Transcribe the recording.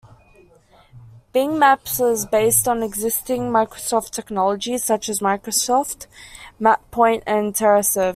Bing Maps was based on existing Microsoft technologies such as Microsoft MapPoint, and TerraServer.